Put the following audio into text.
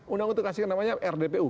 undang untuk dikasihkan namanya rdpu